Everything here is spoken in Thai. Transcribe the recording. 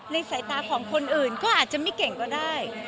สายตาของคนอื่นก็อาจจะไม่เก่งก็ได้